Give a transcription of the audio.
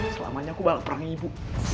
selamanya aku bakal perangi ibu